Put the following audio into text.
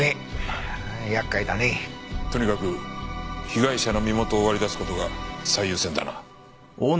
とにかく被害者の身元を割り出す事が最優先だな。